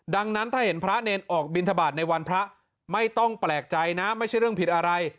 ดังนั้นถ้าเห็นพระเนรออกบินทบาทในวันพระไม่ต้องแปลกใจนะไม่ใช่เรื่องผิดอะไร